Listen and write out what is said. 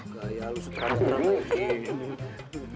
gaya lu sutradara lagi